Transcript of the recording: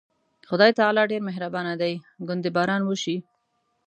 خدای تعالی ډېر مهربانه دی، ګوندې باران وشي.